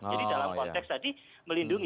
jadi dalam konteks tadi melindungi